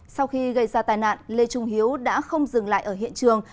sau khi gây ra tai nạn lê trung hiếu đã không dừng lại ở hiện trường